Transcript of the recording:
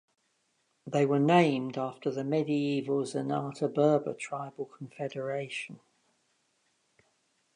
They were named after the medieval Zenata Berber tribal confederation.